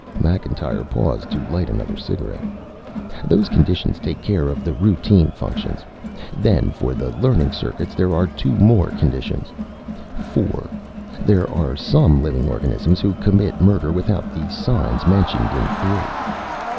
Macintyre paused to light another cigarette. "Those conditions take care of the routine functions. Then, for the learning circuits, there are two more conditions. Four, there are some living organisms who commit murder without the signs mentioned in three.